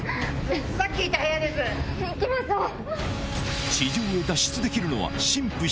行きましょう。